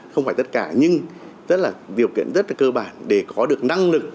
không phải tất cả nhưng rất là điều kiện rất là cơ bản để có được năng lực